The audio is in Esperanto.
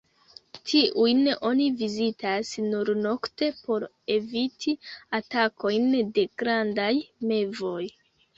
Tiujn oni vizitas nur nokte por eviti atakojn de grandaj mevoj.